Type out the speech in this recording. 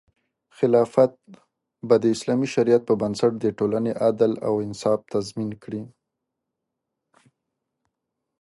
خلافت به د اسلامي شریعت په بنسټ د ټولنې عدل او انصاف تضمین کړي.